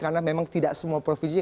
karena memang tidak semua provinsi